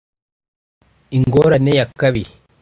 Ingorane ya kabiri